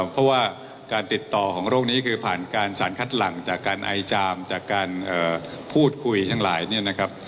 เพราะว่าการติดต่อของโรคนี้คือผ่านการสารคัดหลังจากการไอจามจากการพูดคุยทั้งหลายเนี่ยนะครับ